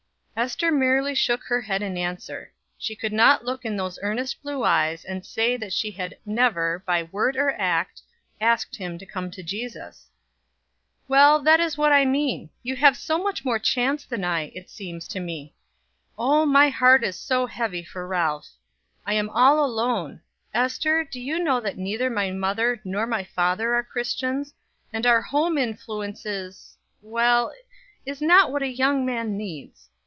Ester merely shook her head in answer. She could not look in those earnest blue eyes and say that she had never, by word or act, asked him to come to Jesus. "Well, that is what I mean; you have so much more chance than I, it seems to me. Oh, my heart is so heavy for Ralph! I am all alone. Ester, do you know that neither my mother nor my father are Christians, and our home influence is ; well, is not what a young man needs.